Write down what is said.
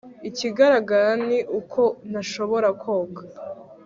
ikigaragara ni uko ntashobora koga